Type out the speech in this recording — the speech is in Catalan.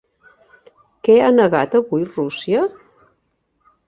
Què ha negat avui Rússia?